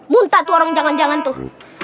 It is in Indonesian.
muntah tuh orang jangan jangan tuh